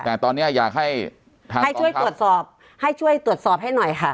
แต่ตอนนี้อยากให้ช่วยตรวจสอบให้ช่วยตรวจสอบให้หน่อยค่ะ